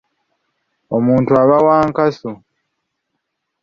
Omuntu aba wa nkasu.